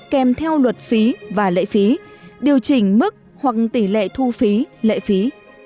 kèm theo luật phí và lệ phí điều chỉnh mức hoặc tỷ lệ thu phí lệ phí